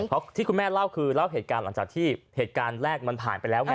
เพราะที่คุณแม่เล่าคือเล่าเหตุการณ์หลังจากที่เหตุการณ์แรกมันผ่านไปแล้วไง